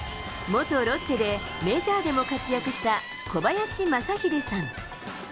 元ロッテでメジャーでも活躍した小林まさひでさん。